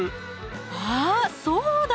あーそうだ